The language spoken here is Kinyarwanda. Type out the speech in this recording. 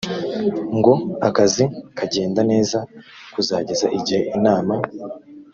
ngo akazi kagende neza kuzageza igihe inama